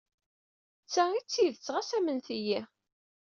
D ta ay d tidet, ɣas amnet-iyi!